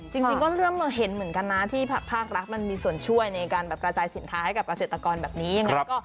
จริงก็เริ่มมองเห็นเหมือนกันนะที่ภาครัฐมันมีส่วนช่วยในการกระจายสินค้าให้กับเกษตรกรแบบนี้ยังไง